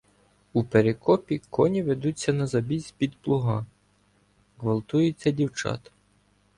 У Перекопі коні ведуться на забій з-під плуга, ґвалтуються дівчата».